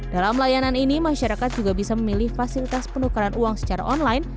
dalam layanan ini masyarakat juga bisa memilih fasilitas penukaran uang secara online